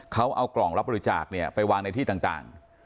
เขาเอากล่องรับบริจาคเนี่ยไปวางในที่ต่าง